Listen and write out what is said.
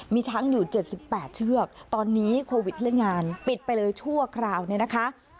มีช้างอยู่เจ็ดสิบแปดเชือกตอนนี้โควิดเรื่องงานปิดไปเลยชั่วคราวนี้นะคะ